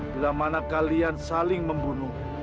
bila mana kalian saling membunuh